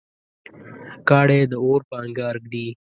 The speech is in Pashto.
کاڼی د اور په انګار ږدي.